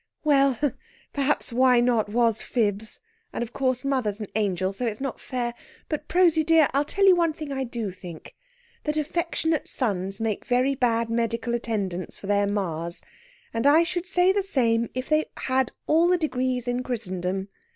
"Well! Perhaps why not was fibs. And, of course, mother's an angel, so it's not fair. But, Prosy dear, I'll tell you one thing I do think that affectionate sons make very bad medical attendants for their ma's; and I should say the same if they had all the degrees in Christendom."